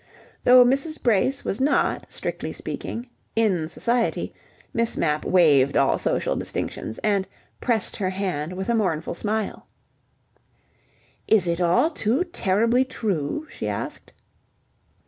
Though Mrs. Brace was not, strictly speaking, "in society", Miss Mapp waived all social distinctions, and pressed her hand with a mournful smile. "Is it all too terribly true?" she asked.